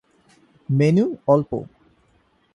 Menu অল্প।